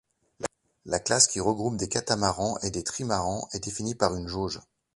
La classe qui regroupe des catamarans et des trimarans, est définie par une jauge.